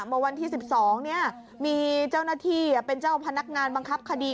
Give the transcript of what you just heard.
เมื่อวันที่๑๒มีเจ้าหน้าที่เป็นเจ้าพนักงานบังคับคดี